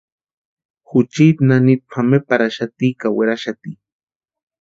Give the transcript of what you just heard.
Juchiti nanita pʼameparhaxati ka weraxati.